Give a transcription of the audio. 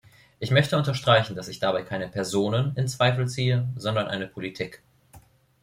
Ich möchte unterstreichen, dass ich dabei keine Personen in Zweifel ziehe, sondern eine Politik.